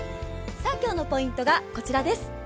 今日のポイントがこちらです。